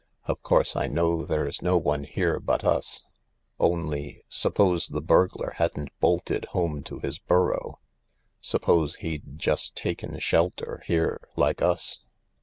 Of course I know there's no one here but us ; only— suppose the burglar hadn't bolted home to his burrow ? Suppose he'd just taken shelter here like us